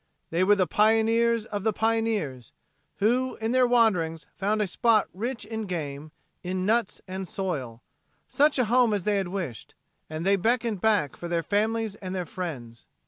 They were the pioneers of the pioneers, who in their wanderings found a spot rich in game, in nuts and soil such a home as they had wished and they beckoned back for their families and their friends.